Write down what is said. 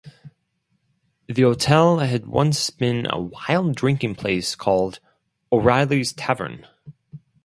The hotel had once been a wild drinking place called O'Reilly's Tavern.